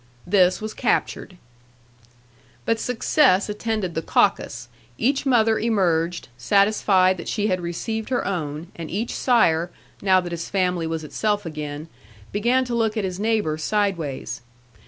This was captured. But success attended the caucus; each mother emerged, satisfied that she had received her own, and each sire, now that his family was itself again, began to look at his neighbor sideways.